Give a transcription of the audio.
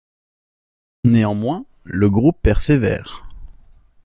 Néanmoins, le groupe persévère.